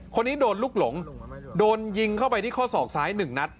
คนนี้โดนลูกหลงโดนยิงเข้าไปที่ข้อศอกซ้าย๑นัด